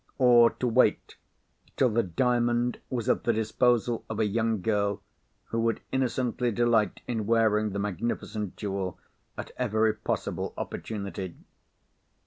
Or to wait till the Diamond was at the disposal of a young girl, who would innocently delight in wearing the magnificent jewel at every possible opportunity?